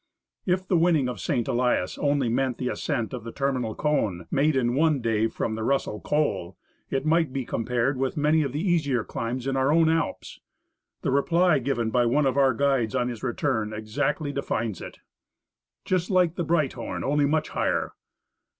If the winning of St. Elias only meant the ascent of the terminal cone, made in one day from the Russell Col, it might be compared with many of the easier climbs in our own Alps. The reply given by one of our guides on his return exactly defines it: — "Just like the Breithorn, only much higher."